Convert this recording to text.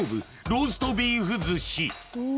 ローストビーフ寿司